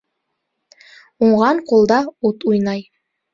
Уңған ҡулда ут уйнай.